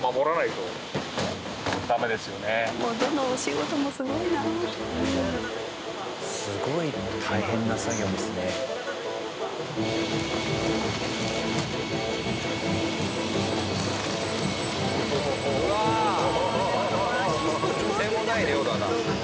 とんでもない量だな。